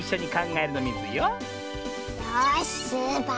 よしスーパー